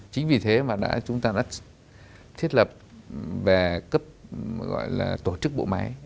chính vì thế mà chúng ta đã thiết lập về cấp tổ chức bộ máy